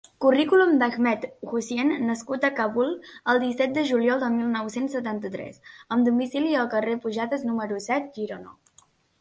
Currículum d'Ahmed Hussein nascut a Kabul el disset de juliol de mil nou-cents setanta-tres, amb domicili al carrer Pujades, núm. set, Girona.